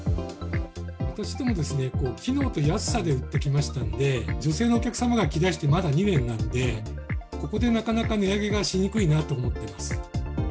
私ども、機能と安さで売ってきましたので、女性のお客様がきだしてまだ２年なので、ここでなかなか値上げがしにくいなと思ってます。